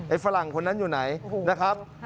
ฝรั่งคนนั้นอยู่ไหนนะครับ